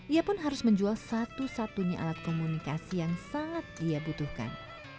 ia pun harus menjual satu satunya alat komunikasi yang sangat dia butuhkan